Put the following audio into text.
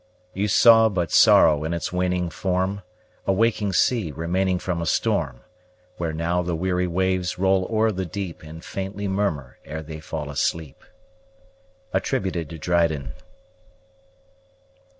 You saw but sorrow in its waning form; A working sea remaining from a storm, Where now the weary waves roll o'er the deep, And faintly murmur ere they fall asleep. DRYDEN.